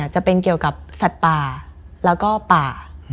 จะเป็นเกี่ยวกับสัตว์ป่าแล้วก็ป่า